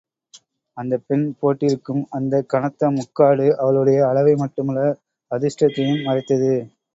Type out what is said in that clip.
அந்தப் பெண் போட்டிருக்கும் அந்த கனத்த முக்காடு, அவளுடைய அளவை மட்டுமல்ல, அதிர்ஷ்டத்தையும் மறைத்தது.